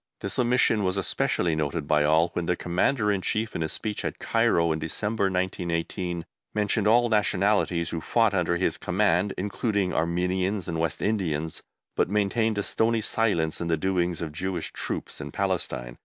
This omission was especially noted by all when the Commander in Chief in his speech at Cairo, in December, 1918, mentioned all nationalities who fought under his command, including Armenians and West Indians, but maintained a stony silence on the doings of Jewish Troops in Palestine.